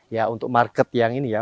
ya untuk market yang ini ya